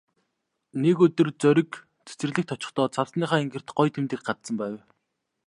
Нэг өдөр Зориг цэцэрлэгт очихдоо цамцныхаа энгэрт гоё тэмдэг хадсан байв.